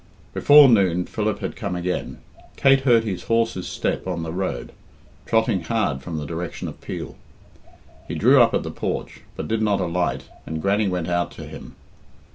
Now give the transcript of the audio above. Before noon Philip had come again. Kate heard his horse's step on the road, trotting hard from the direction of Peel. He drew up at the porch, but did not alight, and Grannie went out to him.